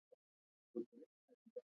غوښې د افغانستان د جغرافیایي موقیعت پایله ده.